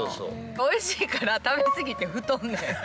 おいしいから食べ過ぎて太んねん。